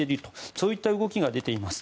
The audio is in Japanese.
そういった動きが出ています。